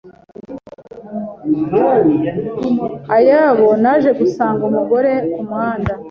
ayabo naje gusanga umugore ku muhanda